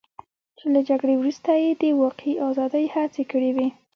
چې له جګړې وروسته یې د واقعي ازادۍ هڅې کړې وې.